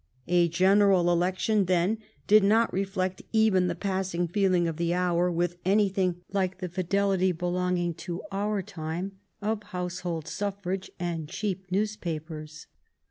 A general election then did not reflect even the passing feeling of the hour with I anything like the fidelity belonging to our time of household suffrage and cheap newspapers.